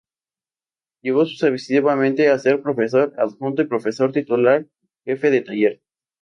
Llegó sucesivamente a ser profesor adjunto y profesor titular jefe de Taller.